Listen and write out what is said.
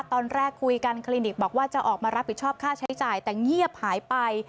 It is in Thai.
ตอนแรกคุยกันคลินิกบอกว่าจะออกมารับผิดชอบค่าใช้จ่ายแต่เงียบหายไป